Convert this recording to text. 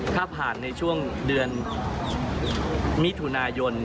ถ้าผ่านในช่วงเดือนมิถุนายน